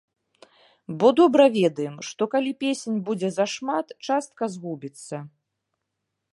Бо добра ведаем, што калі песень будзе зашмат, частка згубіцца.